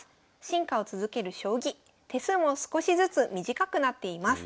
進化を続ける将棋手数も少しずつ短くなっています。